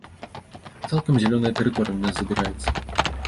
Цалкам зялёная тэрыторыя ў нас забіраецца.